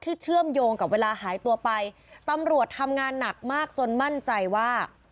เชื่อมโยงกับเวลาหายตัวไปตำรวจทำงานหนักมากจนมั่นใจว่า